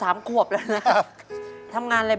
สวัสดีครับน้องเล่จากจังหวัดพิจิตรครับ